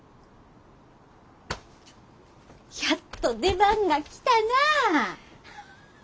やっと出番が来たなあ！